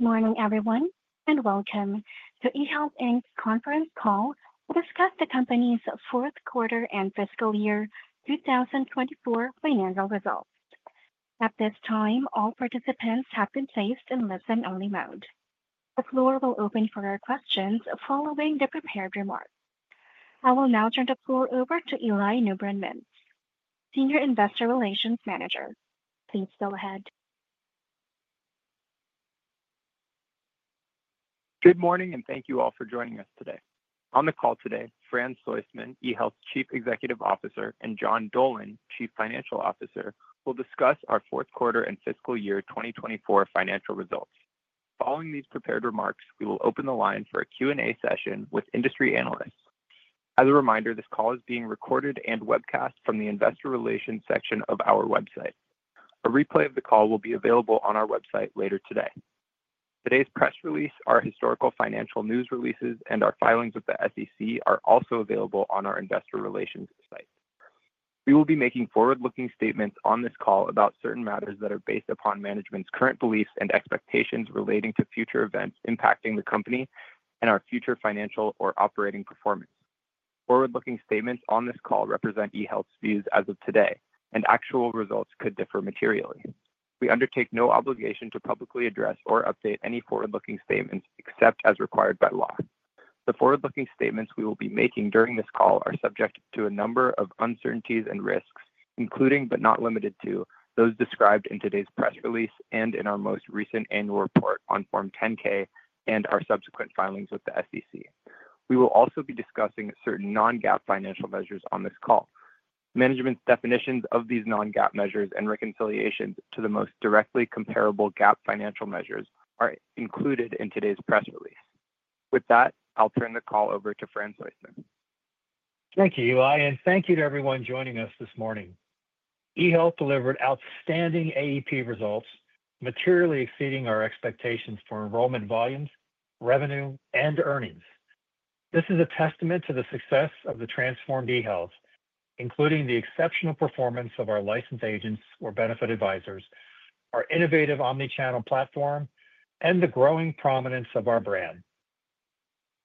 Good morning, everyone, and welcome to eHealth's conference call to discuss the company's fourth quarter and fiscal year 2024 financial results. At this time, all participants have been placed in listen-only mode. The floor will open for questions following the prepared remarks. I will now turn the floor over to Eli Newbrun-Mintz, Senior Investor Relations Manager. Please go ahead. Good morning, and thank you all for joining us today. On the call today, Fran Soistman, eHealth's Chief Executive Officer, and John Dolan, Chief Financial Officer, will discuss our fourth quarter and fiscal year 2024 financial results. Following these prepared remarks, we will open the line for a Q&A session with industry analysts. As a reminder, this call is being recorded and webcast from the Investor Relations section of our website. A replay of the call will be available on our website later today. Today's press release, our historical financial news releases, and our filings with the SEC are also available on our Investor Relations site. We will be making forward-looking statements on this call about certain matters that are based upon management's current beliefs and expectations relating to future events impacting the company and our future financial or operating performance. Forward-looking statements on this call represent eHealth's views as of today, and actual results could differ materially. We undertake no obligation to publicly address or update any forward-looking statements except as required by law. The forward-looking statements we will be making during this call are subject to a number of uncertainties and risks, including but not limited to those described in today's press release and in our most recent annual report on Form 10-K and our subsequent filings with the SEC. We will also be discussing certain non-GAAP financial measures on this call. Management's definitions of these non-GAAP measures and reconciliations to the most directly comparable GAAP financial measures are included in today's press release. With that, I'll turn the call over to Fran Soistman. Thank you, Eli, and thank you to everyone joining us this morning. eHealth delivered outstanding AEP results, materially exceeding our expectations for enrollment volumes, revenue, and earnings. This is a testament to the success of the transformed eHealth, including the exceptional performance of our licensed agents or benefit advisors, our innovative omnichannel platform, and the growing prominence of our brand.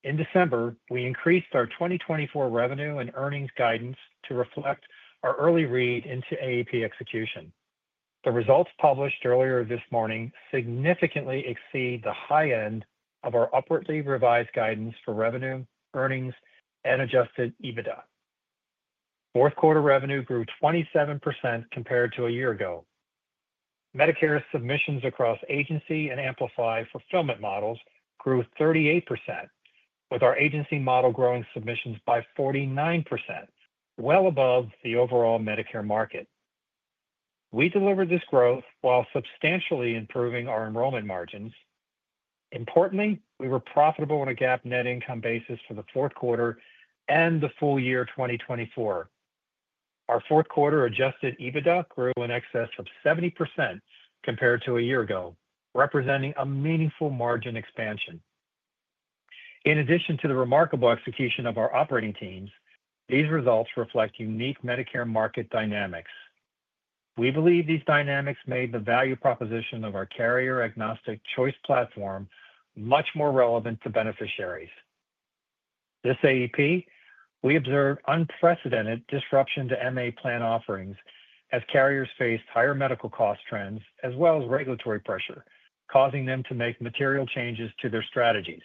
In December, we increased our 2024 revenue and earnings guidance to reflect our early read into AEP execution. The results published earlier this morning significantly exceed the high end of our upwardly revised guidance for revenue, earnings, and Adjusted EBITDA. Fourth quarter revenue grew 27% compared to a year ago. Medicare submissions across agency and Amplify fulfillment models grew 38%, with our agency model growing submissions by 49%, well above the overall Medicare market. We delivered this growth while substantially improving our enrollment margins. Importantly, we were profitable on a GAAP net income basis for the fourth quarter and the full year 2024. Our fourth quarter Adjusted EBITDA grew in excess of 70% compared to a year ago, representing a meaningful margin expansion. In addition to the remarkable execution of our operating teams, these results reflect unique Medicare market dynamics. We believe these dynamics made the value proposition of our carrier-agnostic choice platform much more relevant to beneficiaries. This AEP, we observed unprecedented disruption to MA plan offerings as carriers faced higher medical cost trends as well as regulatory pressure, causing them to make material changes to their strategies.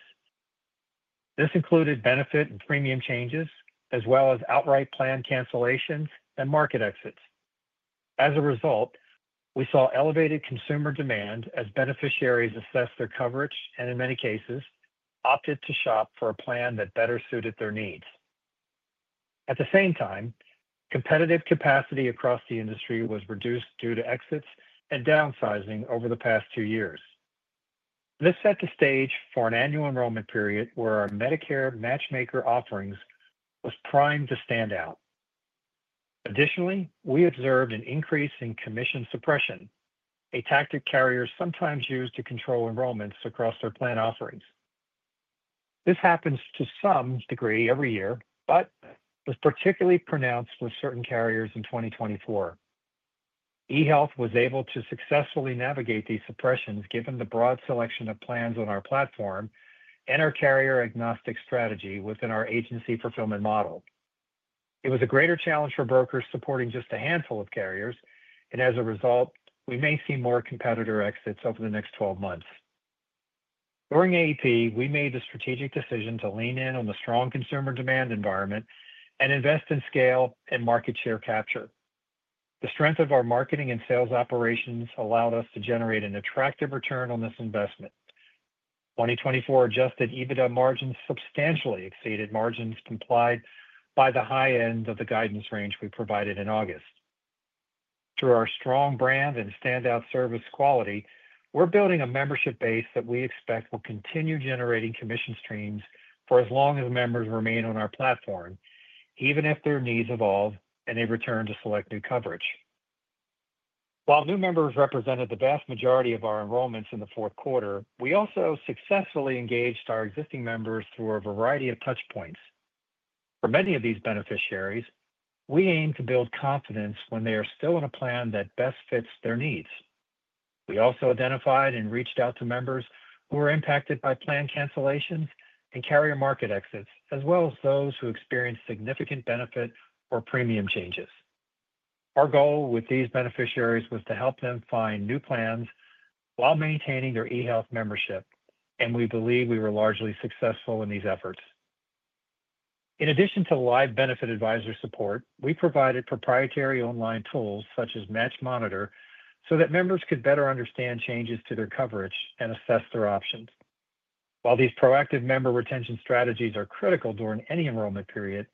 This included benefit and premium changes as well as outright plan cancellations and market exits. As a result, we saw elevated consumer demand as beneficiaries assessed their coverage and, in many cases, opted to shop for a plan that better suited their needs. At the same time, competitive capacity across the industry was reduced due to exits and downsizing over the past two years. This set the stage for an annual enrollment period where our Medicare matchmaker offerings were primed to stand out. Additionally, we observed an increase in commission suppression, a tactic carriers sometimes use to control enrollments across their plan offerings. This happens to some degree every year, but was particularly pronounced with certain carriers in 2024. eHealth was able to successfully navigate these suppressions given the broad selection of plans on our platform and our carrier-agnostic strategy within our agency fulfillment model. It was a greater challenge for brokers supporting just a handful of carriers, and as a result, we may see more competitor exits over the next 12 months. During AEP, we made the strategic decision to lean in on the strong consumer demand environment and invest in scale and market share capture. The strength of our marketing and sales operations allowed us to generate an attractive return on this investment. 2024 Adjusted EBITDA margins substantially exceeded margins implied by the high end of the guidance range we provided in August. Through our strong brand and standout service quality, we're building a membership base that we expect will continue generating commission streams for as long as members remain on our platform, even if their needs evolve and they return to select new coverage. While new members represented the vast majority of our enrollments in the fourth quarter, we also successfully engaged our existing members through a variety of touchpoints. For many of these beneficiaries, we aim to build confidence when they are still in a plan that best fits their needs. We also identified and reached out to members who were impacted by plan cancellations and carrier market exits, as well as those who experienced significant benefit or premium changes. Our goal with these beneficiaries was to help them find new plans while maintaining their eHealth membership, and we believe we were largely successful in these efforts. In addition to live benefit advisor support, we provided proprietary online tools such as MatchMonitor so that members could better understand changes to their coverage and assess their options. While these proactive member retention strategies are critical during any enrollment period,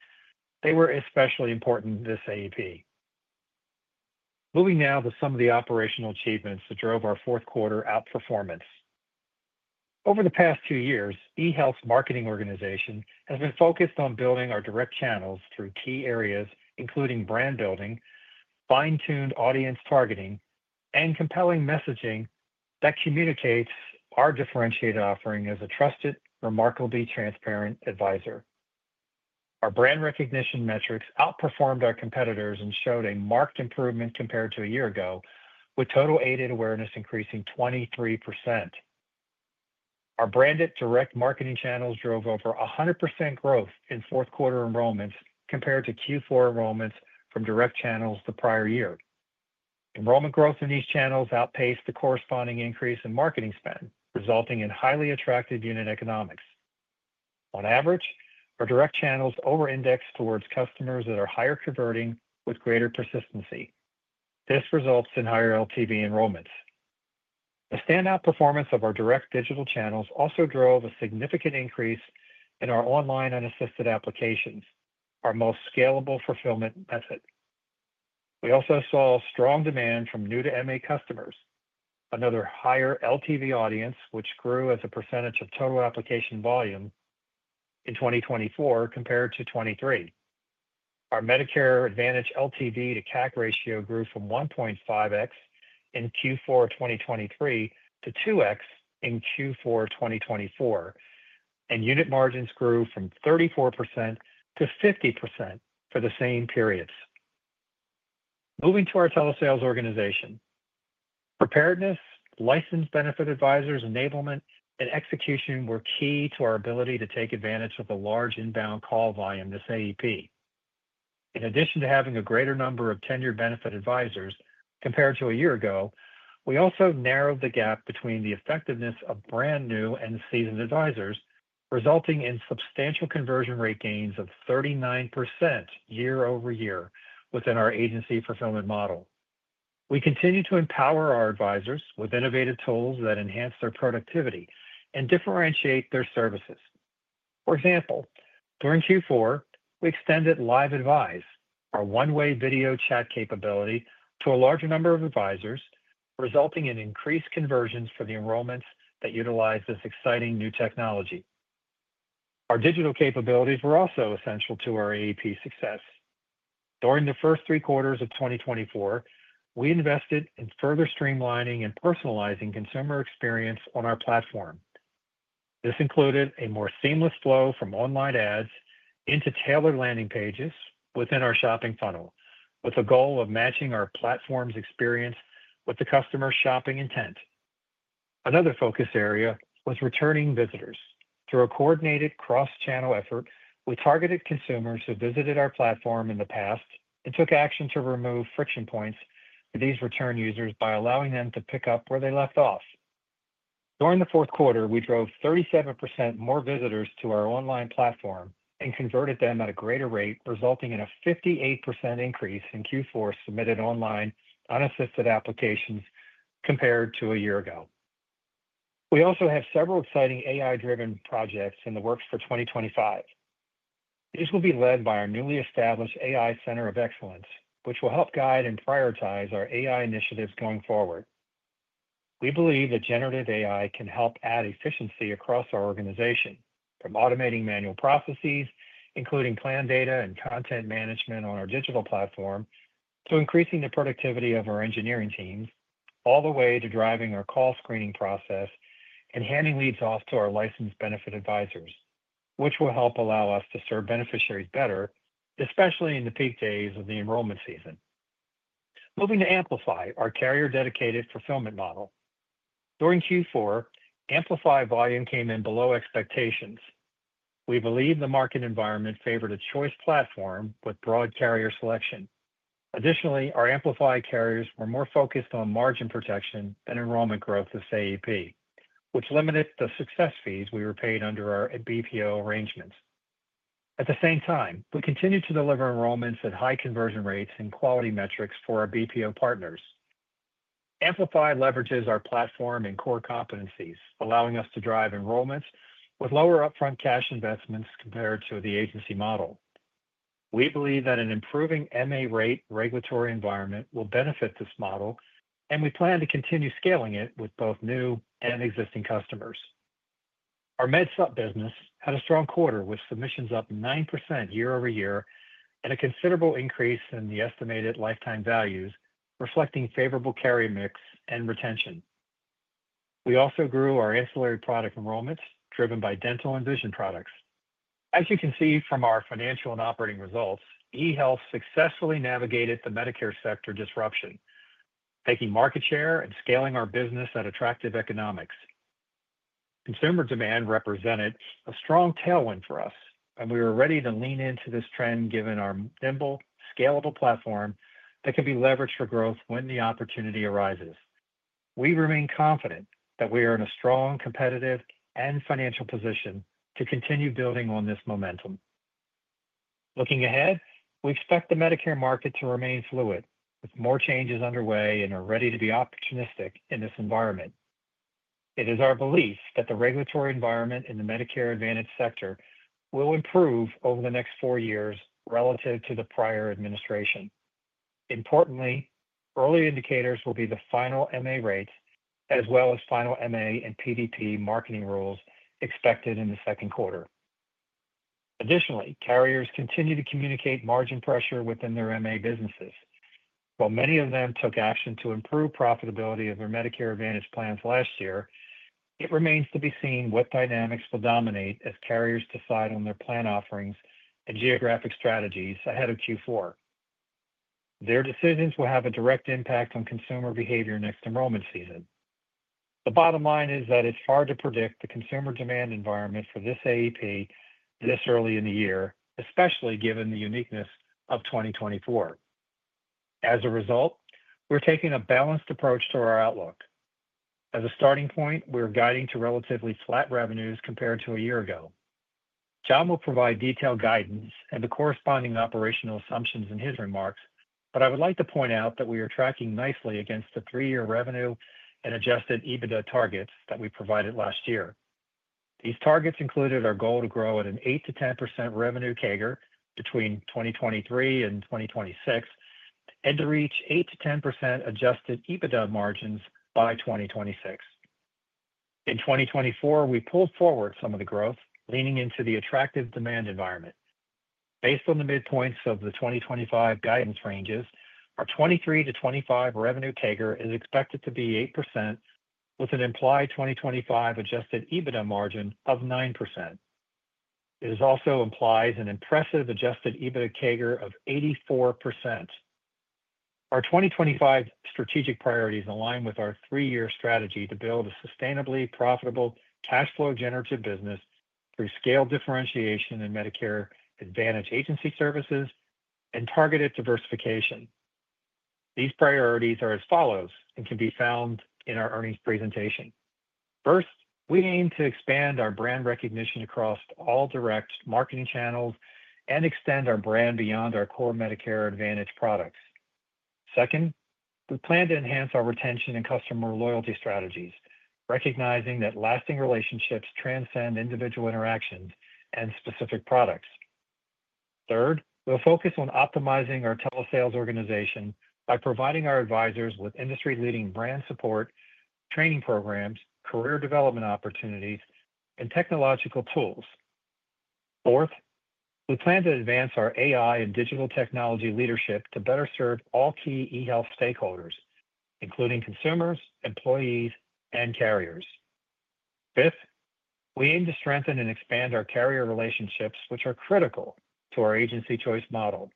they were especially important in this AEP. Moving now to some of the operational achievements that drove our fourth quarter outperformance. Over the past two years, eHealth's marketing organization has been focused on building our direct channels through key areas including brand building, fine-tuned audience targeting, and compelling messaging that communicates our differentiated offering as a trusted, remarkably transparent advisor. Our brand recognition metrics outperformed our competitors and showed a marked improvement compared to a year ago, with total aided awareness increasing 23%. Our branded direct marketing channels drove over 100% growth in fourth quarter enrollments compared to Q4 enrollments from direct channels the prior year. Enrollment growth in these channels outpaced the corresponding increase in marketing spend, resulting in highly attractive unit economics. On average, our direct channels over-index towards customers that are higher converting with greater persistency. This results in higher LTV enrollments. The standout performance of our direct digital channels also drove a significant increase in our online unassisted applications, our most scalable fulfillment method. We also saw strong demand from new-to-MA customers, another higher LTV audience, which grew as a percentage of total application volume in 2024 compared to 2023. Our Medicare Advantage LTV to CAC ratio grew from 1.5x in Q4 2023 to 2x in Q4 2024, and unit margins grew from 34% to 50% for the same periods. Moving to our telesales organization, preparedness, licensed benefit advisors' enablement and execution were key to our ability to take advantage of the large inbound call volume this AEP. In addition to having a greater number of tenured benefit advisors compared to a year ago, we also narrowed the gap between the effectiveness of brand new and seasoned advisors, resulting in substantial conversion rate gains of 39% year-over-year within our agency fulfillment model. We continue to empower our advisors with innovative tools that enhance their productivity and differentiate their services. For example, during Q4, we extended Live Advise, our one-way video chat capability, to a larger number of advisors, resulting in increased conversions for the enrollments that utilize this exciting new technology. Our digital capabilities were also essential to our AEP success. During the first three quarters of 2024, we invested in further streamlining and personalizing consumer experience on our platform. This included a more seamless flow from online ads into tailored landing pages within our shopping funnel, with the goal of matching our platform's experience with the customer's shopping intent. Another focus area was returning visitors. Through a coordinated cross-channel effort, we targeted consumers who visited our platform in the past and took action to remove friction points for these return users by allowing them to pick up where they left off. During the fourth quarter, we drove 37% more visitors to our online platform and converted them at a greater rate, resulting in a 58% increase in Q4 submitted online unassisted applications compared to a year ago. We also have several exciting AI-driven projects in the works for 2025. These will be led by our newly established AI Center of Excellence, which will help guide and prioritize our AI initiatives going forward. We believe that generative AI can help add efficiency across our organization, from automating manual processes, including plan data and content management on our digital platform, to increasing the productivity of our engineering teams, all the way to driving our call screening process and handing leads off to our licensed benefit advisors, which will help allow us to serve beneficiaries better, especially in the peak days of the enrollment season. Moving to Amplify, our carrier-dedicated fulfillment model. During Q4, Amplify volume came in below expectations. We believe the market environment favored a choice platform with broad carrier selection. Additionally, our Amplify carriers were more focused on margin protection than enrollment growth this AEP, which limited the success fees we were paid under our BPO arrangements. At the same time, we continue to deliver enrollments at high conversion rates and quality metrics for our BPO partners. Amplify leverages our platform and core competencies, allowing us to drive enrollments with lower upfront cash investments compared to the agency model. We believe that an improving MA rate regulatory environment will benefit this model, and we plan to continue scaling it with both new and existing customers. Our med-sub business had a strong quarter with submissions up 9% year-over-year and a considerable increase in the estimated lifetime values, reflecting favorable carrier mix and retention. We also grew our ancillary product enrollments driven by dental and vision products. As you can see from our financial and operating results, eHealth successfully navigated the Medicare sector disruption, taking market share and scaling our business at attractive economics. Consumer demand represented a strong tailwind for us, and we were ready to lean into this trend given our nimble, scalable platform that can be leveraged for growth when the opportunity arises. We remain confident that we are in a strong, competitive, and financial position to continue building on this momentum. Looking ahead, we expect the Medicare market to remain fluid, with more changes underway and are ready to be opportunistic in this environment. It is our belief that the regulatory environment in the Medicare Advantage sector will improve over the next four years relative to the prior administration. Importantly, early indicators will be the final MA rate, as well as final MA and PDP marketing rules expected in the second quarter. Additionally, carriers continue to communicate margin pressure within their MA businesses. While many of them took action to improve profitability of their Medicare Advantage plans last year, it remains to be seen what dynamics will dominate as carriers decide on their plan offerings and geographic strategies ahead of Q4. Their decisions will have a direct impact on consumer behavior next enrollment season. The bottom line is that it's hard to predict the consumer demand environment for this AEP this early in the year, especially given the uniqueness of 2024. As a result, we're taking a balanced approach to our outlook. As a starting point, we're guiding to relatively flat revenues compared to a year ago. John will provide detailed guidance and the corresponding operational assumptions in his remarks, but I would like to point out that we are tracking nicely against the three-year revenue and Adjusted EBITDA targets that we provided last year. These targets included our goal to grow at an 8-10% revenue CAGR between 2023 and 2026 and to reach 8-10% Adjusted EBITDA margins by 2026. In 2024, we pulled forward some of the growth, leaning into the attractive demand environment. Based on the midpoints of the 2025 guidance ranges, our 2023 to 2025 revenue CAGR is expected to be 8%, with an implied 2025 Adjusted EBITDA margin of 9%. It also implies an impressive Adjusted EBITDA CAGR of 84%. Our 2025 strategic priorities align with our three-year strategy to build a sustainably profitable cash flow generative business through scale differentiation and Medicare Advantage agency services and targeted diversification. These priorities are as follows and can be found in our earnings presentation. First, we aim to expand our brand recognition across all direct marketing channels and extend our brand beyond our core Medicare Advantage products. Second, we plan to enhance our retention and customer loyalty strategies, recognizing that lasting relationships transcend individual interactions and specific products. Third, we'll focus on optimizing our telesales organization by providing our advisors with industry-leading brand support, training programs, career development opportunities, and technological tools. Fourth, we plan to advance our AI and digital technology leadership to better serve all key eHealth stakeholders, including consumers, employees, and carriers. Fifth, we aim to strengthen and expand our carrier relationships, which are critical to our agency choice model.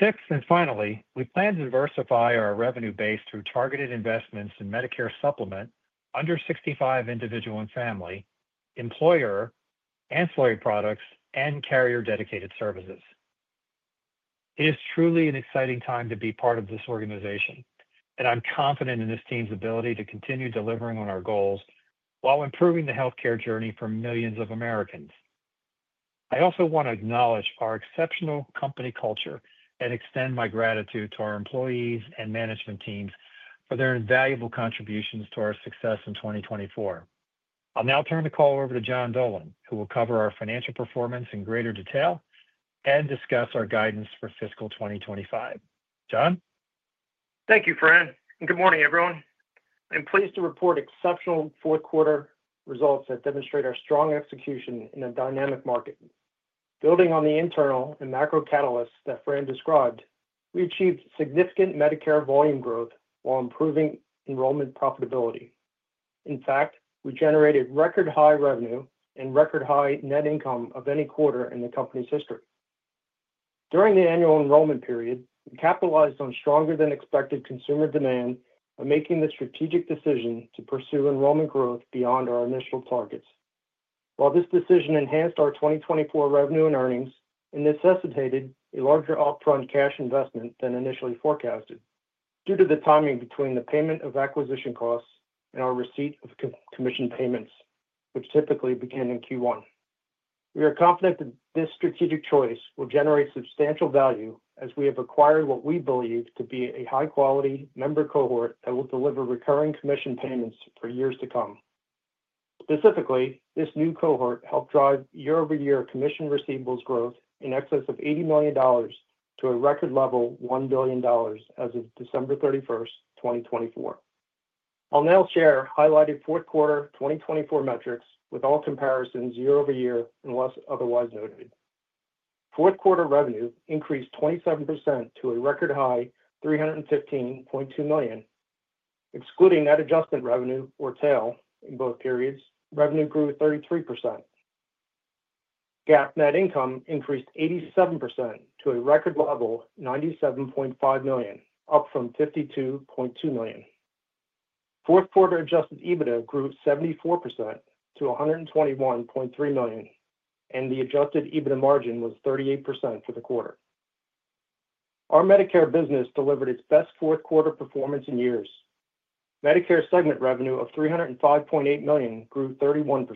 Sixth and finally, we plan to diversify our revenue base through targeted investments in Medicare Supplement under 65 individual and family, employer ancillary products, and carrier-dedicated services. It is truly an exciting time to be part of this organization, and I'm confident in this team's ability to continue delivering on our goals while improving the healthcare journey for millions of Americans. I also want to acknowledge our exceptional company culture and extend my gratitude to our employees and management teams for their invaluable contributions to our success in 2024. I'll now turn the call over to John Dolan, who will cover our financial performance in greater detail and discuss our guidance for fiscal 2025. John? Thank you, Fran. Good morning, everyone. I'm pleased to report exceptional fourth quarter results that demonstrate our strong execution in a dynamic market. Building on the internal and macro catalysts that Fran described, we achieved significant Medicare volume growth while improving enrollment profitability. In fact, we generated record high revenue and record high net income of any quarter in the company's history. During the annual enrollment period, we capitalized on stronger than expected consumer demand by making the strategic decision to pursue enrollment growth beyond our initial targets. While this decision enhanced our 2024 revenue and earnings, it necessitated a larger upfront cash investment than initially forecasted due to the timing between the payment of acquisition costs and our receipt of commission payments, which typically begin in Q1. We are confident that this strategic choice will generate substantial value as we have acquired what we believe to be a high-quality member cohort that will deliver recurring commission payments for years to come. Specifically, this new cohort helped drive year-over-year commission receivables growth in excess of $80 million to a record level of $1 billion as of December 31st, 2024. I'll now share highlighted fourth quarter 2024 metrics with all comparisons year-over-year unless otherwise noted. Fourth quarter revenue increased 27% to a record high of $315.2 million. Excluding net adjustment revenue, or TAIL, in both periods, revenue grew 33%. GAAP net income increased 87% to a record level of $97.5 million, up from $52.2 million. Fourth quarter Adjusted EBITDA grew 74% to $121.3 million, and the Adjusted EBITDA margin was 38% for the quarter. Our Medicare business delivered its best fourth quarter performance in years. Medicare segment revenue of $305.8 million grew 31%.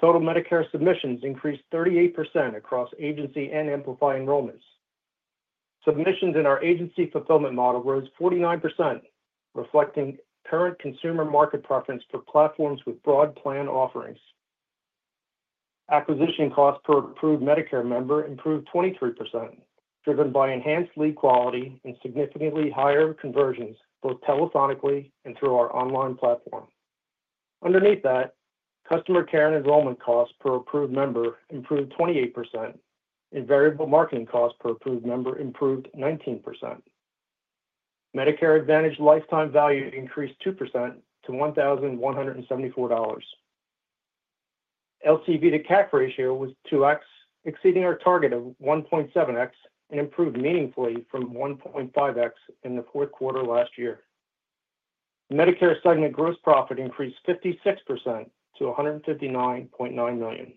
Total Medicare submissions increased 38% across agency and Amplify enrollments. Submissions in our agency fulfillment model rose 49%, reflecting current consumer market preference for platforms with broad plan offerings. Acquisition costs per approved Medicare member improved 23%, driven by enhanced lead quality and significantly higher conversions, both telephonically and through our online platform. Underneath that, customer care and enrollment costs per approved member improved 28%, and variable marketing costs per approved member improved 19%. Medicare Advantage lifetime value increased 2% to $1,174. LTV to CAC ratio was 2x, exceeding our target of 1.7x and improved meaningfully from 1.5x in the fourth quarter last year. Medicare segment gross profit increased 56% to $159.9 million.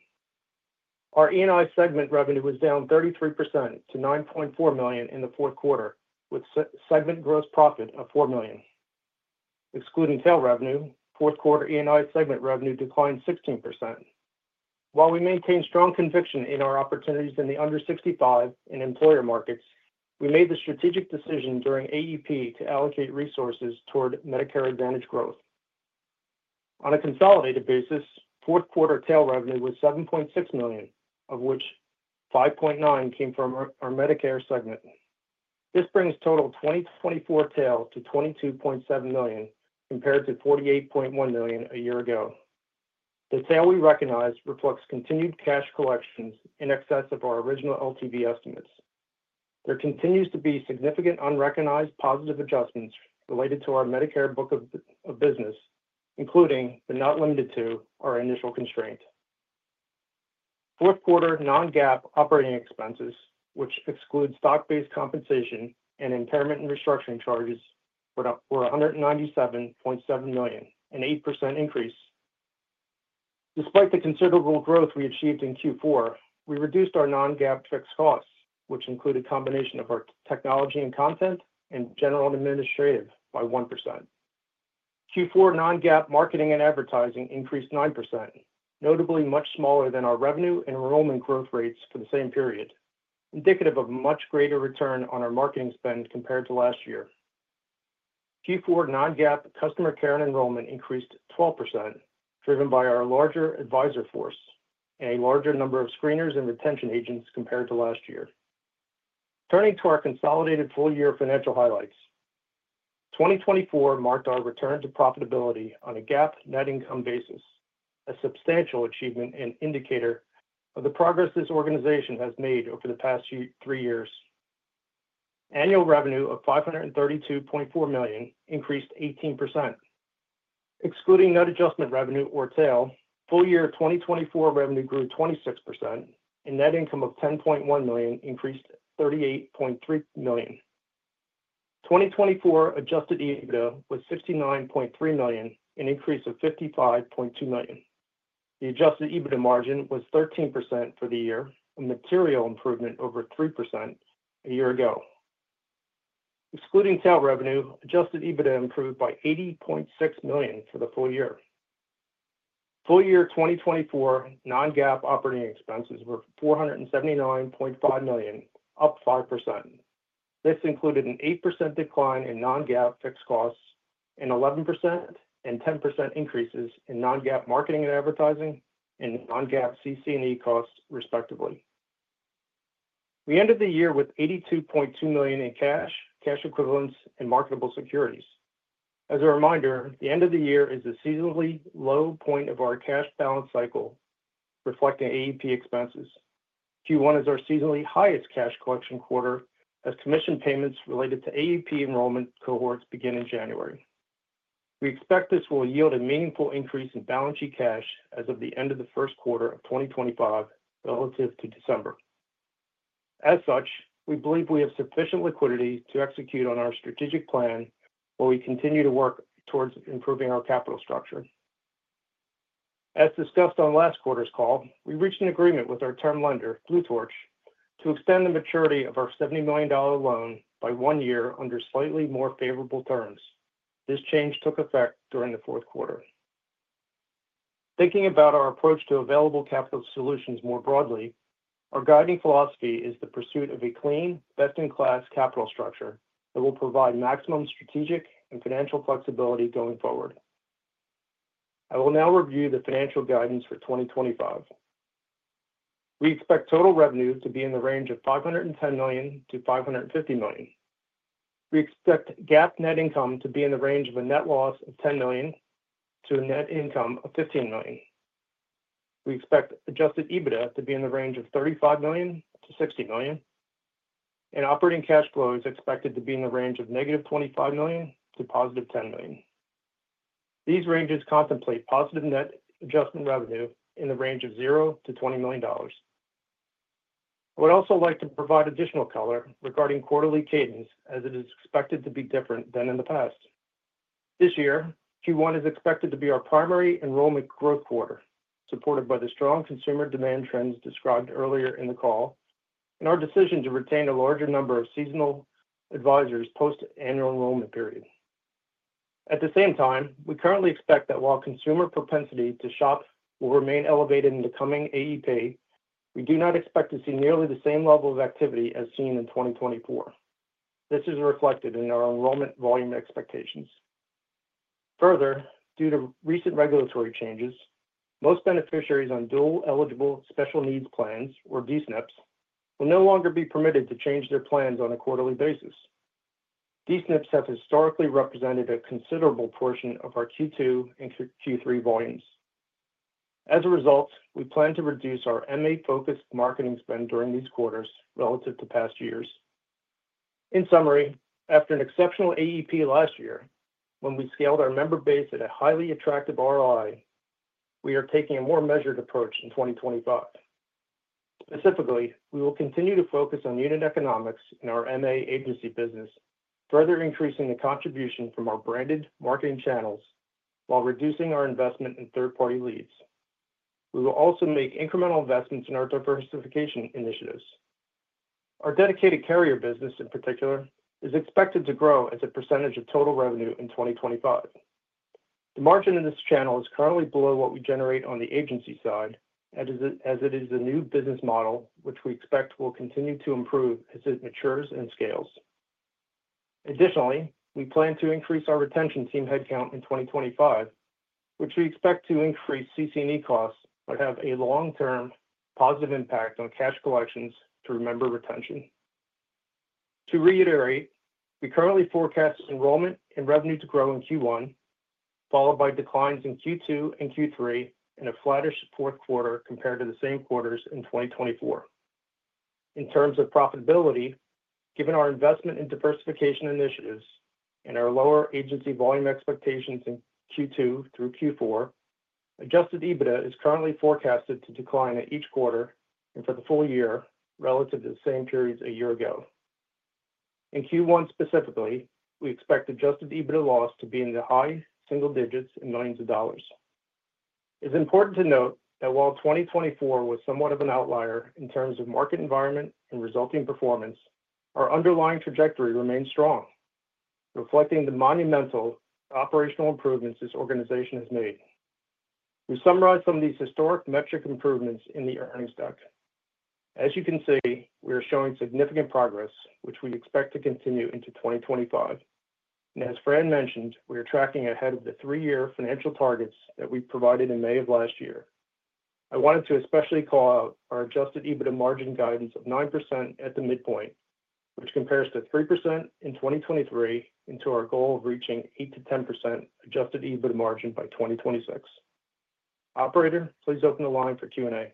Our E&I segment revenue was down 33% to $9.4 million in the fourth quarter, with segment gross profit of $4 million. Excluding TAIL revenue, fourth quarter E&I segment revenue declined 16%. While we maintained strong conviction in our opportunities in the under 65 and employer markets, we made the strategic decision during AEP to allocate resources toward Medicare Advantage growth. On a consolidated basis, fourth quarter TAIL revenue was $7.6 million, of which $5.9 million came from our Medicare segment. This brings total 2024 TAIL to $22.7 million compared to $48.1 million a year ago. The TAIL we recognized reflects continued cash collections in excess of our original LTV estimates. There continues to be significant unrecognized positive adjustments related to our Medicare book of business, including but not limited to our initial constraint. Fourth quarter non-GAAP operating expenses, which excludes stock-based compensation and impairment and restructuring charges, were $197.7 million, an 8% increase. Despite the considerable growth we achieved in Q4, we reduced our non-GAAP fixed costs, which included a combination of our technology and content and general administrative by 1%. Q4 non-GAAP marketing and advertising increased 9%, notably much smaller than our revenue and enrollment growth rates for the same period, indicative of a much greater return on our marketing spend compared to last year. Q4 non-GAAP customer care and enrollment increased 12%, driven by our larger advisor force and a larger number of screeners and retention agents compared to last year. Turning to our consolidated full-year financial highlights, 2024 marked our return to profitability on a GAAP net income basis, a substantial achievement and indicator of the progress this organization has made over the past three years. Annual revenue of $532.4 million increased 18%. Excluding net adjustment revenue or TAIL, full-year 2024 revenue grew 26%, and net income of $10.1 million increased $38.3 million. 2024 Adjusted EBITDA was $69.3 million, an increase of $55.2 million. The Adjusted EBITDA margin was 13% for the year, a material improvement over 3% a year ago. Excluding TAIL revenue, Adjusted EBITDA improved by $80.6 million for the full year. Full-year 2024 non-GAAP operating expenses were $479.5 million, up 5%. This included an 8% decline in non-GAAP fixed costs, an 11% and 10% increases in non-GAAP marketing and advertising, and non-GAAP CC&E costs, respectively. We ended the year with $82.2 million in cash, cash equivalents, and marketable securities. As a reminder, the end of the year is the seasonally low point of our cash balance cycle, reflecting AEP expenses. Q1 is our seasonally highest cash collection quarter, as commission payments related to AEP enrollment cohorts begin in January. We expect this will yield a meaningful increase in balance sheet cash as of the end of the first quarter of 2025 relative to December. As such, we believe we have sufficient liquidity to execute on our strategic plan while we continue to work towards improving our capital structure. As discussed on last quarter's call, we reached an agreement with our term lender, Blue Torch, to extend the maturity of our $70 million loan by one year under slightly more favorable terms. This change took effect during the fourth quarter. Thinking about our approach to available capital solutions more broadly, our guiding philosophy is the pursuit of a clean, best-in-class capital structure that will provide maximum strategic and financial flexibility going forward. I will now review the financial guidance for 2025. We expect total revenue to be in the range of $510 million-$550 million. We expect GAAP net income to be in the range of a net loss of $10 million to a net income of $15 million. We expect Adjusted EBITDA to be in the range of $35 million-$60 million. Operating cash flow is expected to be in the range of negative $25 million to positive $10 million. These ranges contemplate positive net adjustment revenue in the range of $0-$20 million. I would also like to provide additional color regarding quarterly cadence, as it is expected to be different than in the past. This year, Q1 is expected to be our primary enrollment growth quarter, supported by the strong consumer demand trends described earlier in the call and our decision to retain a larger number of seasonal advisors post-annual enrollment period. At the same time, we currently expect that while consumer propensity to shop will remain elevated in the coming AEP, we do not expect to see nearly the same level of activity as seen in 2024. This is reflected in our enrollment volume expectations. Further, due to recent regulatory changes, most beneficiaries on dual eligible special needs plans, or DSNPs, will no longer be permitted to change their plans on a quarterly basis. DSNPs have historically represented a considerable portion of our Q2 and Q3 volumes. As a result, we plan to reduce our MA-focused marketing spend during these quarters relative to past years. In summary, after an exceptional AEP last year, when we scaled our member base at a highly attractive ROI, we are taking a more measured approach in 2025. Specifically, we will continue to focus on unit economics in our MA agency business, further increasing the contribution from our branded marketing channels while reducing our investment in third-party leads. We will also make incremental investments in our diversification initiatives. Our dedicated carrier business, in particular, is expected to grow as a percentage of total revenue in 2025. The margin in this channel is currently below what we generate on the agency side, as it is a new business model, which we expect will continue to improve as it matures and scales. Additionally, we plan to increase our retention team headcount in 2025, which we expect to increase CC&E costs but have a long-term positive impact on cash collections to remember retention. To reiterate, we currently forecast enrollment and revenue to grow in Q1, followed by declines in Q2 and Q3 and a flattish fourth quarter compared to the same quarters in 2024. In terms of profitability, given our investment in diversification initiatives and our lower agency volume expectations in Q2 through Q4, Adjusted EBITDA is currently forecasted to decline at each quarter and for the full year relative to the same periods a year ago. In Q1 specifically, we expect Adjusted EBITDA loss to be in the high single digits and millions of dollars. It's important to note that while 2024 was somewhat of an outlier in terms of market environment and resulting performance, our underlying trajectory remains strong, reflecting the monumental operational improvements this organization has made. We summarize some of these historic metric improvements in the earnings deck. As you can see, we are showing significant progress, which we expect to continue into 2025. As Fran mentioned, we are tracking ahead of the three-year financial targets that we provided in May of last year. I wanted to especially call out our Adjusted EBITDA margin guidance of 9% at the midpoint, which compares to 3% in 2023 and to our goal of reaching 8-10% Adjusted EBITDA margin by 2026. Operator, please open the line for Q&A.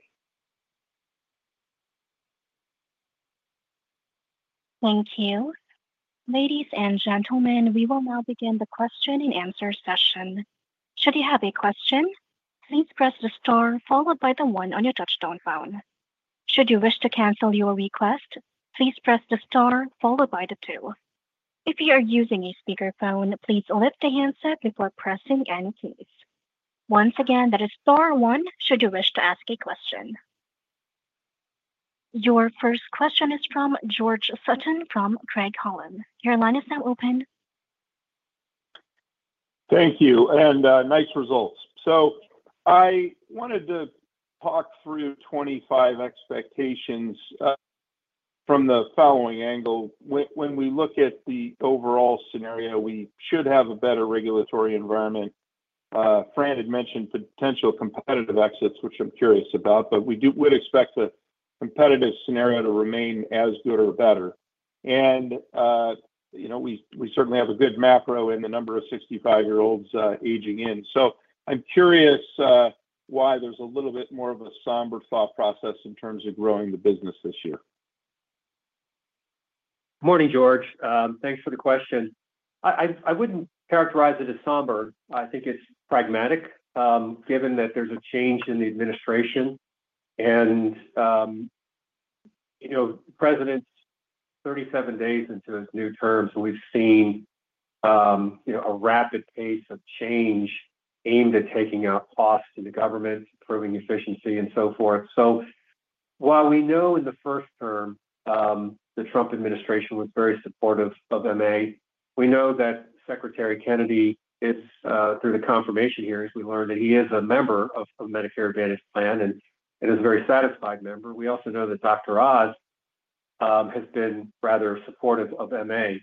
Thank you. Ladies and gentlemen, we will now begin the question and answer session. Should you have a question, please press the star followed by the one on your touch-tone phone. Should you wish to cancel your request, please press the star followed by the two. If you are using a speakerphone, please lift the handset before pressing any keys. Once again, that is star one should you wish to ask a question. Your first question is from George Sutton from Craig-Hallum. Your line is now open. Thank you. Nice results. I wanted to talk through 2025 expectations from the following angle. When we look at the overall scenario, we should have a better regulatory environment. Fran had mentioned potential competitive exits, which I am curious about, but we would expect the competitive scenario to remain as good or better. We certainly have a good macro in the number of 65-year-olds aging in. I'm curious why there's a little bit more of a somber thought process in terms of growing the business this year. Morning, George. Thanks for the question. I wouldn't characterize it as somber. I think it's pragmatic, given that there's a change in the administration. The president's 37 days into his new term, so we've seen a rapid pace of change aimed at taking out costs to the government, improving efficiency, and so forth. While we know in the first term the Trump administration was very supportive of Medicare Advantage, we know that Secretary Kennedy, through the confirmation hearings, we learned that he is a member of a Medicare Advantage Plan and is a very satisfied member. We also know that Dr. Oz has been rather supportive of Medicare Advantage.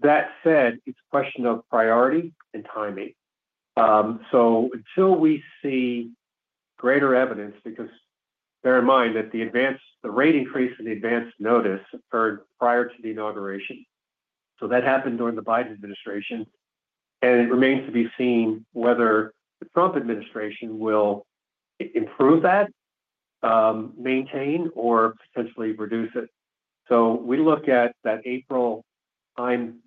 That said, it's a question of priority and timing. Until we see greater evidence, because bear in mind that the rate increase in the advance notice occurred prior to the inauguration, that happened during the Biden administration, and it remains to be seen whether the Trump administration will improve that, maintain, or potentially reduce it. We look at that April timeline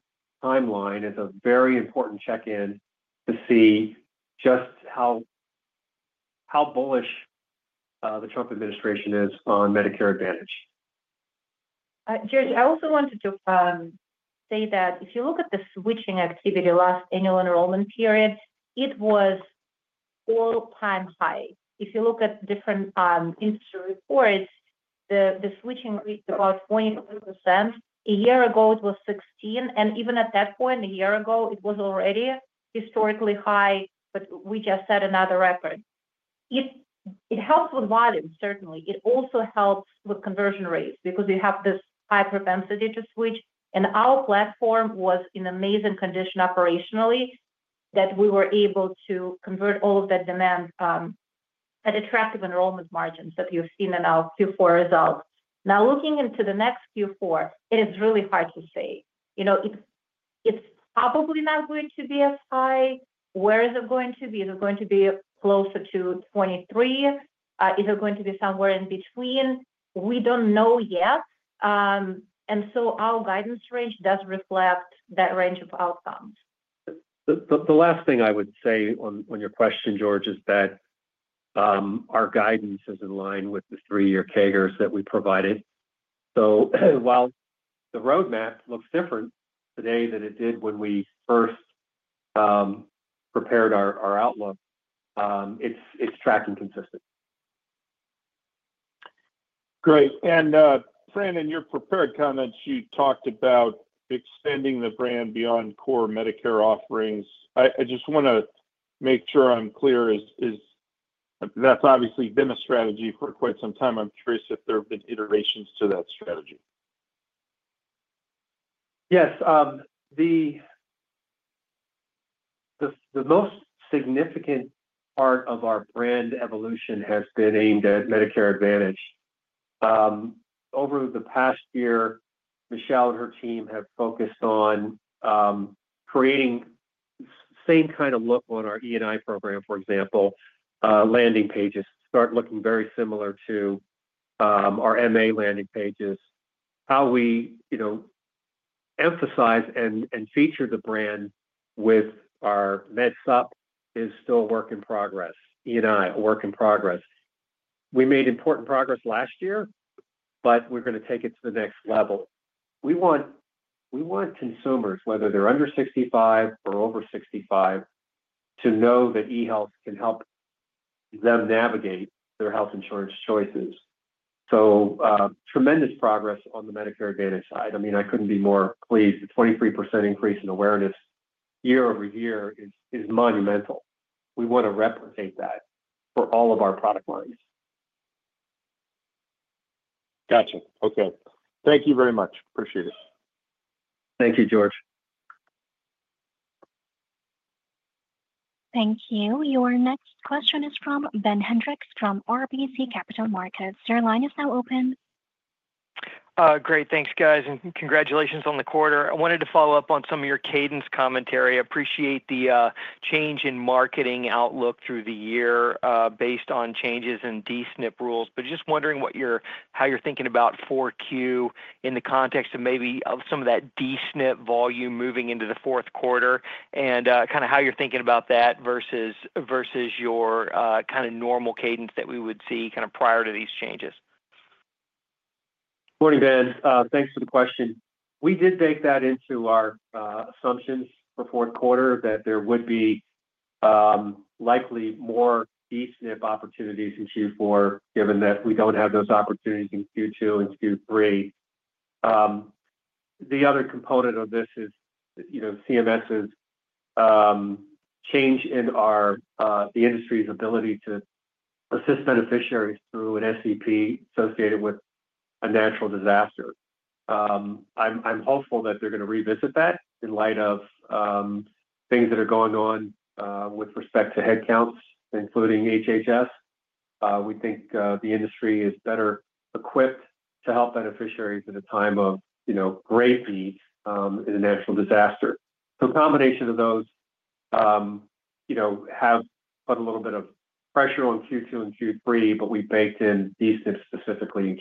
as a very important check-in to see just how bullish the Trump administration is on Medicare Advantage. George, I also wanted to say that if you look at the switching activity last annual enrollment period, it was all-time high. If you look at different industry reports, the switching rate is about 23%. A year ago, it was 16%. Even at that point, a year ago, it was already historically high, but we just set another record. It helps with volume, certainly. It also helps with conversion rates because you have this high propensity to switch. Our platform was in amazing condition operationally that we were able to convert all of that demand at attractive enrollment margins that you've seen in our Q4 results. Now, looking into the next Q4, it is really hard to say. It's probably not going to be as high. Where is it going to be? Is it going to be closer to 23? Is it going to be somewhere in between? We don't know yet. Our guidance range does reflect that range of outcomes. The last thing I would say on your question, George, is that our guidance is in line with the three-year CAGRs that we provided. While the roadmap looks different today than it did when we first prepared our outlook, it's tracking consistently. Great. Fran, in your prepared comments, you talked about extending the brand beyond core Medicare offerings. I just want to make sure I'm clear. That's obviously been a strategy for quite some time. I'm curious if there have been iterations to that strategy. Yes. The most significant part of our brand evolution has been aimed at Medicare Advantage. Over the past year, Michelle and her team have focused on creating the same kind of look on our E&I program, for example, landing pages start looking very similar to our MA landing pages. How we emphasize and feature the brand with our medsup is still a work in progress. E&I, a work in progress. We made important progress last year, but we're going to take it to the next level. We want consumers, whether they're under 65 or over 65, to know that eHealth can help them navigate their health insurance choices. Tremendous progress on the Medicare Advantage side. I mean, I couldn't be more pleased. The 23% increase in awareness year-over-year is monumental. We want to replicate that for all of our product lines. Gotcha. Okay. Thank you very much. Appreciate it. Thank you, George. Thank you. Your next question is from Ben Hendrix from RBC Capital Markets. Your line is now open. Great. Thanks, guys. Congratulations on the quarter. I wanted to follow up on some of your cadence commentary. I appreciate the change in marketing outlook through the year based on changes in DSNP rules, but just wondering how you're thinking about 4Q in the context of maybe some of that DSNP volume moving into the fourth quarter and kind of how you're thinking about that versus your kind of normal cadence that we would see kind of prior to these changes. Morning, Ben. Thanks for the question. We did bake that into our assumptions for fourth quarter that there would be likely more DSNP opportunities in Q4, given that we don't have those opportunities in Q2 and Q3. The other component of this is CMS's change in the industry's ability to assist beneficiaries through an SEP associated with a natural disaster. I'm hopeful that they're going to revisit that in light of things that are going on with respect to headcounts, including HHS. We think the industry is better equipped to help beneficiaries at a time of great need in a natural disaster. A combination of those have put a little bit of pressure on Q2 and Q3, but we baked in DSNP specifically in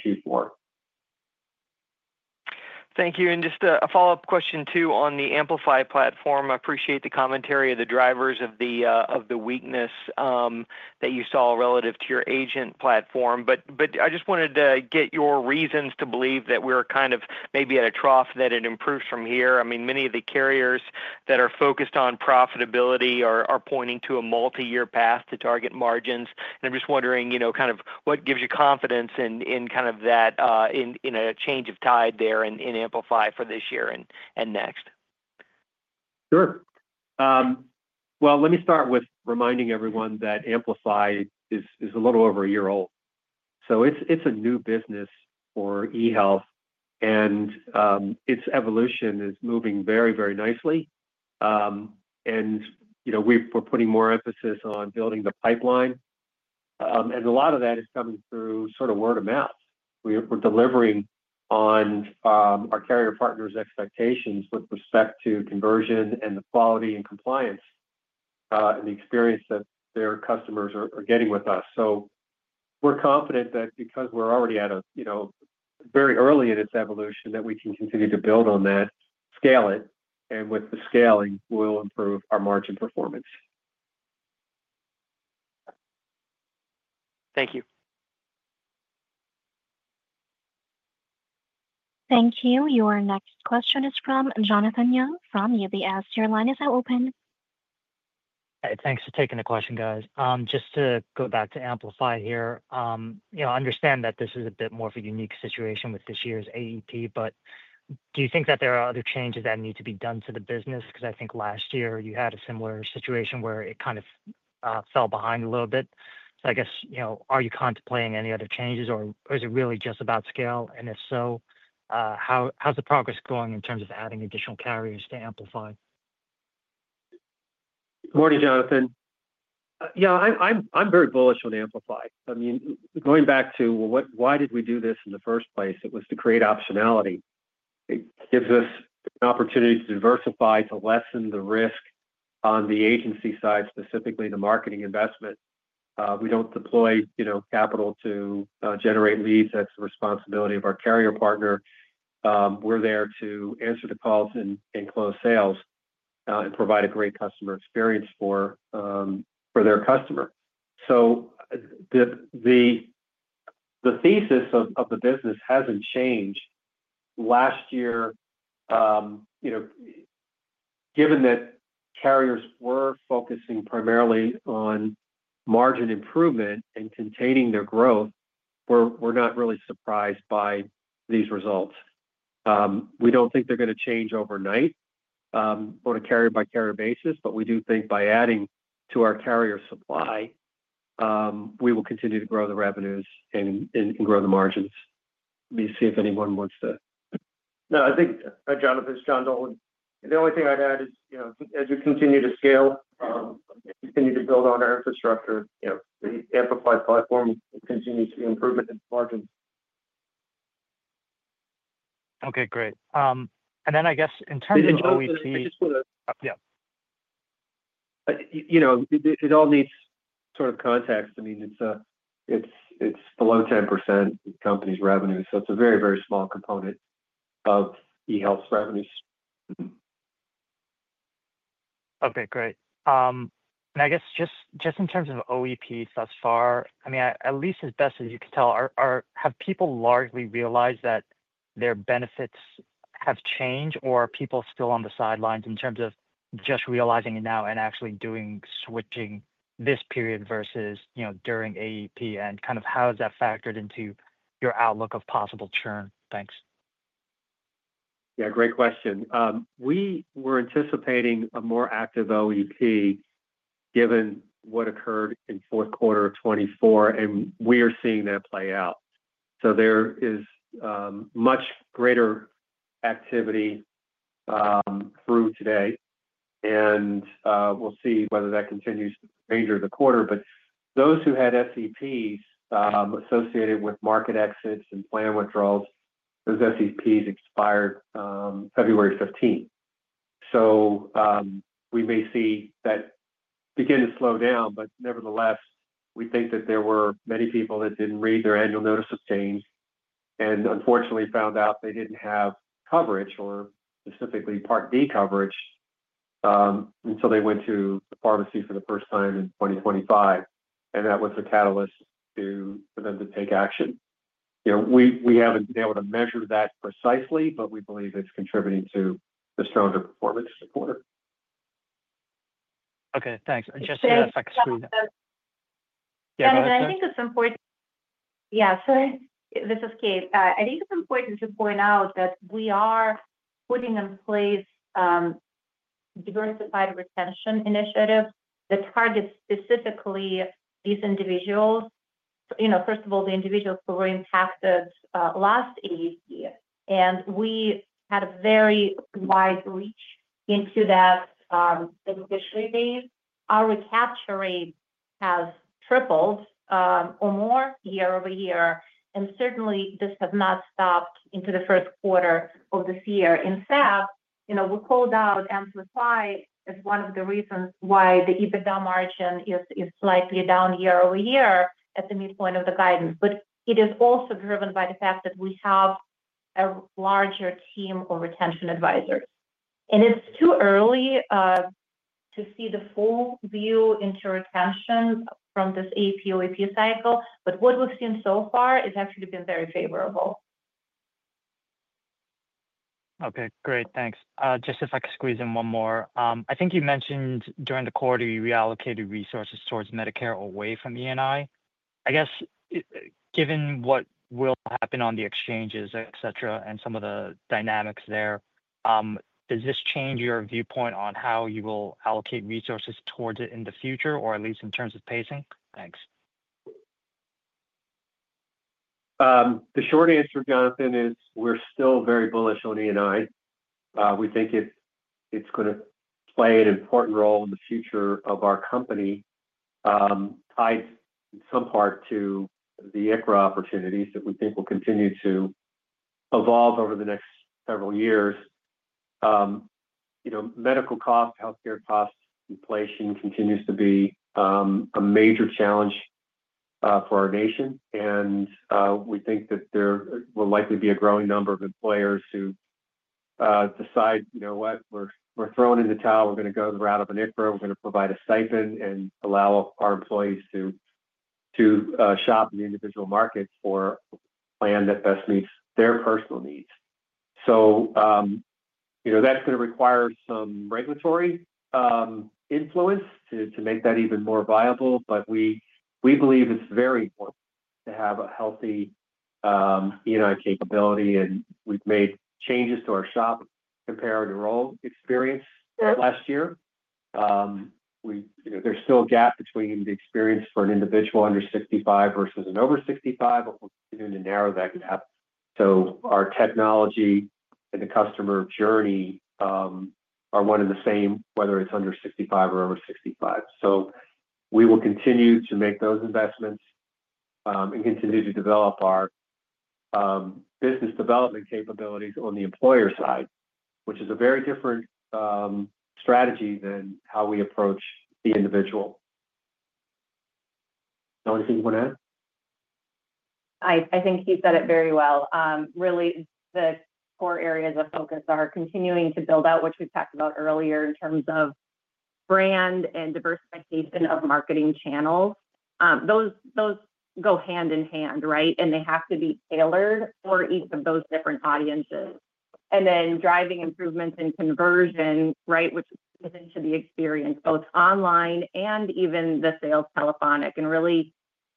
Q4. Thank you. Just a follow-up question too on the Amplify platform. I appreciate the commentary of the drivers of the weakness that you saw relative to your agent platform. I just wanted to get your reasons to believe that we're kind of maybe at a trough, that it improves from here. I mean, many of the carriers that are focused on profitability are pointing to a multi-year path to target margins. I'm just wondering kind of what gives you confidence in kind of that in a change of tide there in Amplify for this year and next. Sure. Let me start with reminding everyone that Amplify is a little over a year old. It is a new business for eHealth, and its evolution is moving very, very nicely. We are putting more emphasis on building the pipeline. A lot of that is coming through sort of word of mouth. We are delivering on our carrier partners' expectations with respect to conversion and the quality and compliance and the experience that their customers are getting with us. We are confident that because we are already very early in its evolution, we can continue to build on that, scale it, and with the scaling, we will improve our margin performance. Thank you. Thank you. Your next question is from Jonathan Young from UBS. Your line is now open. Hey, thanks for taking the question, guys. Just to go back to Amplify here, I understand that this is a bit more of a unique situation with this year's AEP, but do you think that there are other changes that need to be done to the business? I think last year you had a similar situation where it kind of fell behind a little bit. I guess, are you contemplating any other changes, or is it really just about scale? If so, how's the progress going in terms of adding additional carriers to Amplify? Morning, Jonathan. Yeah, I'm very bullish on Amplify. I mean, going back to why did we do this in the first place? It was to create optionality. It gives us an opportunity to diversify to lessen the risk on the agency side, specifically the marketing investment. We don't deploy capital to generate leads. That's the responsibility of our carrier partner. We're there to answer the calls and close sales and provide a great customer experience for their customer. The thesis of the business hasn't changed. Last year, given that carriers were focusing primarily on margin improvement and containing their growth, we're not really surprised by these results. We don't think they're going to change overnight on a carrier-by-carrier basis, but we do think by adding to our carrier supply, we will continue to grow the revenues and grow the margins. Let me see if anyone wants to. No, I think, Jonathan, John Dolan. The only thing I'd add is, as we continue to scale, continue to build on our infrastructure, the Amplify platform will continue to see improvement in margins. Okay, great. I guess in terms of OEPs. Yeah. It all needs sort of context. I mean, it's below 10% of the company's revenue. It is a very, very small component of eHealth's revenues. Okay, great. I guess just in terms of OEPs thus far, I mean, at least as best as you can tell, have people largely realized that their benefits have changed, or are people still on the sidelines in terms of just realizing it now and actually doing switching this period versus during AEP? Kind of how has that factored into your outlook of possible churn? Thanks. Yeah, great question. We were anticipating a more active OEP given what occurred in fourth quarter of 2024, and we are seeing that play out. There is much greater activity through today. We will see whether that continues to the remainder of the quarter. Those who had SEPs associated with market exits and plan withdrawals, those SEPs expired February 15th. We may see that begin to slow down, but nevertheless, we think that there were many people that did not read their annual notice of change and unfortunately found out they did not have coverage or specifically Part D coverage until they went to the pharmacy for the first time in 2025. That was a catalyst for them to take action. We have not been able to measure that precisely, but we believe it is contributing to the stronger performance of the quarter. Okay, thanks. Just to ask if I could squeeze in. Yeah, go ahead. I think it is important. Yeah, sorry. This is Kate. I think it is important to point out that we are putting in place a diversified retention initiative that targets specifically these individuals. First of all, the individuals who were impacted last year. We had a very wide reach into that beneficiary base. Our recapture rate has tripled or more year-over-year. Certainly, this has not stopped into the first quarter of this year. In fact, we called out Amplify as one of the reasons why the EBITDA margin is slightly down year-over-year at the midpoint of the guidance. It is also driven by the fact that we have a larger team of retention advisors. It is too early to see the full view into retention from this APOAP cycle, but what we have seen so far has actually been very favorable. Okay, great. Thanks. Just if I could squeeze in one more. I think you mentioned during the quarter, you reallocated resources towards Medicare away from E&I. I guess, given what will happen on the exchanges, etc., and some of the dynamics there, does this change your viewpoint on how you will allocate resources towards it in the future, or at least in terms of pacing? Thanks. The short answer, Jonathan, is we're still very bullish on E&I. We think it's going to play an important role in the future of our company, tied in some part to the ICRA opportunities that we think will continue to evolve over the next several years. Medical costs, healthcare costs, inflation continues to be a major challenge for our nation. We think that there will likely be a growing number of employers who decide, "You know what? We're throwing in the towel. We're going to go the route of an ICRA. We're going to provide a stipend and allow our employees to shop in the individual markets for a plan that best meets their personal needs. That is going to require some regulatory influence to make that even more viable. We believe it's very important to have a healthy E&I capability. We've made changes to our shop compared to our own experience last year. There is still a gap between the experience for an individual under 65 versus an over 65, but we're continuing to narrow that gap. Our technology and the customer journey are one and the same, whether it's under 65 or over 65. We will continue to make those investments and continue to develop our business development capabilities on the employer side, which is a very different strategy than how we approach the individual. Kate you want to add? I think you said it very well. Really, the core areas of focus are continuing to build out, which we've talked about earlier in terms of brand and diversification of marketing channels. Those go hand in hand, right? They have to be tailored for each of those different audiences. Driving improvements in conversion, right, which is into the experience, both online and even the sales telephonic. Really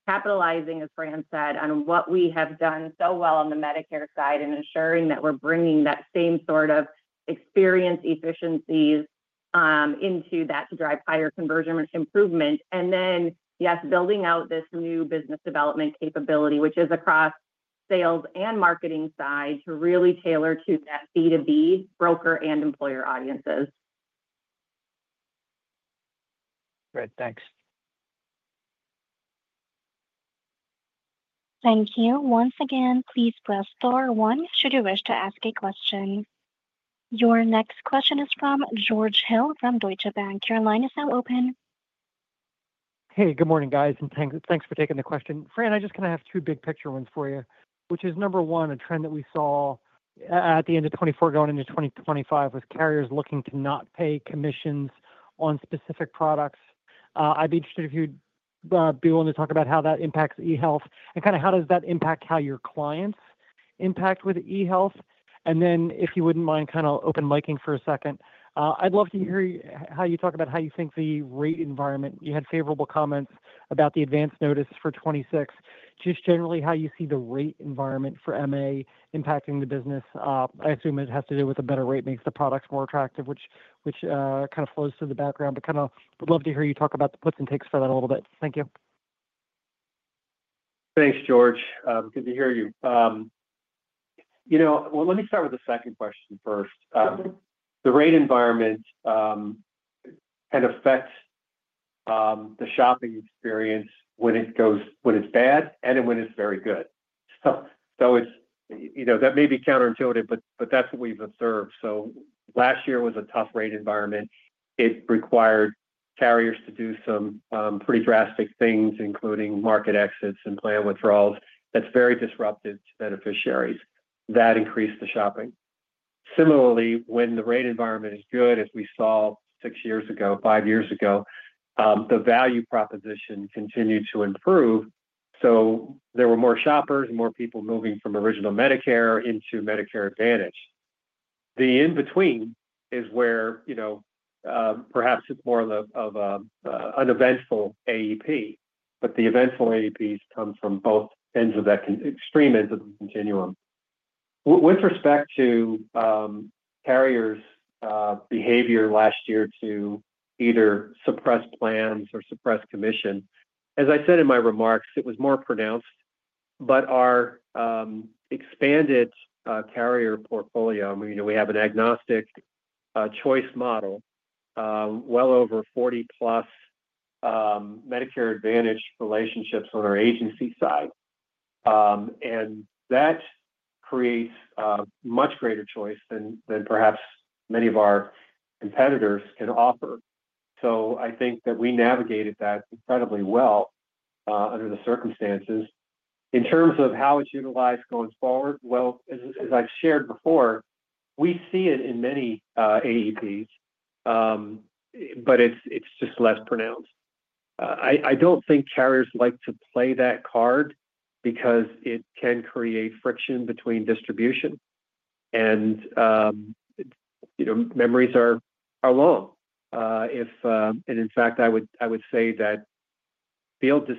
capitalizing, as Fran said, on what we have done so well on the Medicare side and ensuring that we're bringing that same sort of experience efficiencies into that to drive higher conversion improvement. Yes, building out this new business development capability, which is across sales and marketing side, to really tailor to that B2B broker and employer audiences. Great. Thanks. Thank you. Once again, please press star one should you wish to ask a question. Your next question is from George Hill from Deutsche Bank. your is now open. Hey, good morning, guys. And thanks for taking the question. Fran, I just kind of have two big picture ones for you, which is number one, a trend that we saw at the end of 2024 going into 2025 with carriers looking to not pay commissions on specific products. I'd be interested if you'd be willing to talk about how that impacts eHealth and kind of how does that impact how your clients impact with eHealth. And then, if you wouldn't mind kind of open micing for a second, I'd love to hear how you talk about how you think the rate environment. You had favorable comments about the advance notice for 2026. Just generally, how you see the rate environment for MA impacting the business. I assume it has to do with a better rate makes the products more attractive, which kind of flows through the background. I would love to hear you talk about the puts and takes for that a little bit. Thank you. Thanks, George. Good to hear you. Let me start with the second question first. The rate environment can affect the shopping experience when it's bad and when it's very good. That may be counterintuitive, but that's what we've observed. Last year was a tough rate environment. It required carriers to do some pretty drastic things, including market exits and plan withdrawals. That's very disruptive to beneficiaries. That increased the shopping. Similarly, when the rate environment is good, as we saw six years ago, five years ago, the value proposition continued to improve. There were more shoppers and more people moving from original Medicare into Medicare Advantage. The in-between is where perhaps it's more of an eventful AEP, but the eventful AEPs come from both ends of that extreme ends of the continuum. With respect to carriers' behavior last year to either suppress plans or suppress commission, as I said in my remarks, it was more pronounced. Our expanded carrier portfolio, we have an agnostic choice model, well over 40-plus Medicare Advantage relationships on our agency side. That creates much greater choice than perhaps many of our competitors can offer. I think that we navigated that incredibly well under the circumstances. In terms of how it's utilized going forward, as I've shared before, we see it in many AEPs, but it's just less pronounced. I don't think carriers like to play that card because it can create friction between distribution. Memories are long. In fact, I would say that field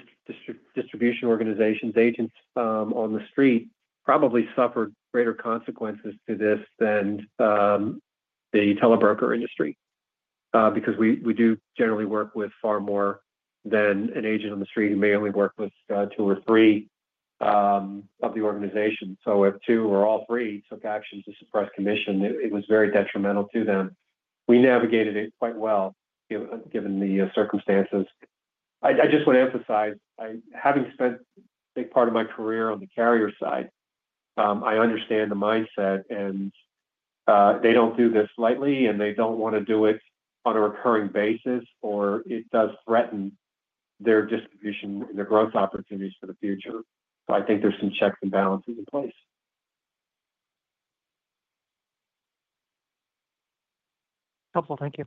distribution organizations, agents on the street probably suffered greater consequences to this than the telebroker industry because we do generally work with far more than an agent on the street who may only work with two or three of the organizations. If two or all three took action to suppress commission, it was very detrimental to them. We navigated it quite well given the circumstances. I just want to emphasize, having spent a big part of my career on the carrier side, I understand the mindset. They don't do this lightly, and they don't want to do it on a recurring basis, or it does threaten their distribution and their growth opportunities for the future. I think there's some checks and balances in place. Helpful. Thank you.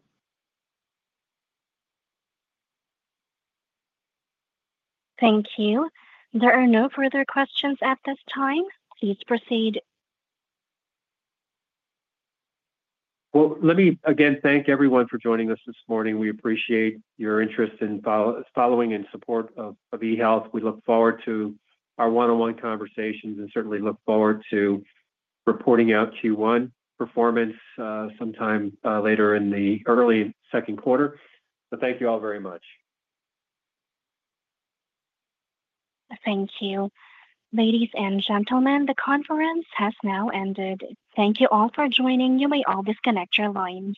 Thank you. There are no further questions at this time. Please proceed. Let me again thank everyone for joining us this morning. We appreciate your interest in following and support of eHealth. We look forward to our one-on-one conversations and certainly look forward to reporting out Q1 performance sometime later in the early second quarter. Thank you all very much. Thank you. Ladies and gentlemen, the conference has now ended. Thank you all for joining. You may all disconnect your lines.